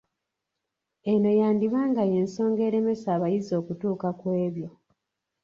Eno yandiba nga y’ensonga eremesa abayizi okutuuka ku ebyo